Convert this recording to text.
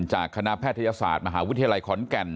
จากคณะแพทยศาสตร์มหาวิทยาลัยขอนแก่น